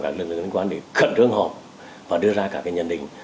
các lực lượng liên quan để khẩn trương họp và đưa ra các nhận định